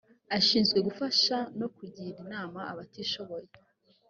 ashinzwe gufasha no kugira inama abatishoboye.